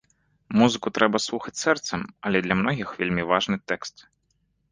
Музыку трэба слухаць сэрцам, але для многіх вельмі важны тэкст.